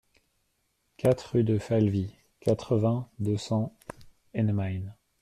quatre rue de Falvy, quatre-vingts, deux cents, Ennemain